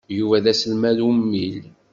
Yuba d aselmad ummil.